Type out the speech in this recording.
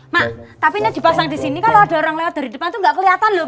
mak tapi ini dipasang di sini kalau ada orang lewat dari depan tuh gak keliatan lho mak